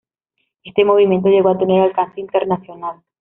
Este movimiento llegó a tener alcance internacional.